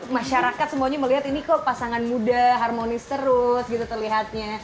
masyarakat semuanya melihat ini kok pasangan muda harmonis terus gitu terlihatnya